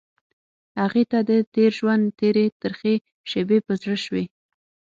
هغې ته د تېر ژوند تېرې ترخې شېبې په زړه شوې.